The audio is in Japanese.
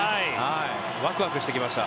ワクワクしてきました。